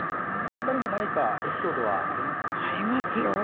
お２人も何かエピソードはありまありますよ。